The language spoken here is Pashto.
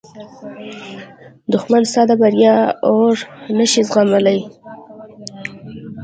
دښمن ستا د بریا اور نه شي زغملی